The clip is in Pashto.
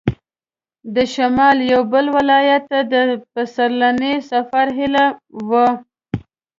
د شمال یوه بل ولایت ته د پسرلني سفر هیله وه.